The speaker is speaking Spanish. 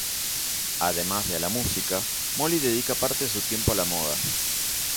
Además de a la música, Molly dedica parte de su tiempo a la moda.